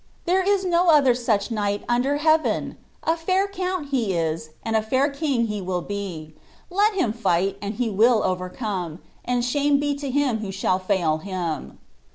There is no other such knight under heaven ! A fair count he is, and a fair king he will be. Let him fight, and he will overcome : and shame be to him who shall fail him."